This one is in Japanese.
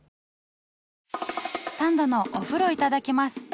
「サンドのお風呂いただきます」。